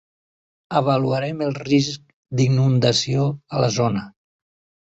Avaluarem el risc d'inundació a la zona.